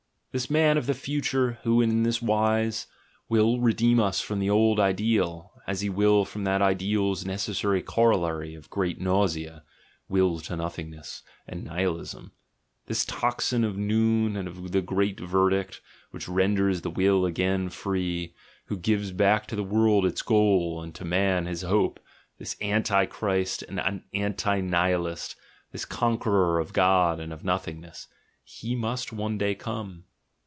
This man of the future, who in this wise will redeem us from the old ideal, as he will from that ideal's necessary corol lary of great nausea, will to nothingness, and Nihilism; this tocsin of noon and of the great verdict, which renders the will again free, who gives back to the world its goal and to man his hope, this Antichrist and Antinihilist, this "GUILT" AND "BAD CONSCIENCE" 93 conqueror of God and of Nothingness — he must one day come.